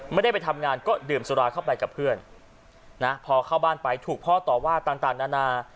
ไม่ได้ไปทำงานก็ดื่มสุราเข้าไปกับเพื่อนนะพอเข้าบ้านไปถูกพ่อต่อว่าต่างนานา